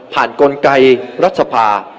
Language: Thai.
ผ่านกลไกรรัฐสภา